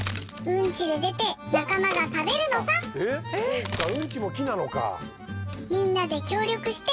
そうかうんちも木なのか。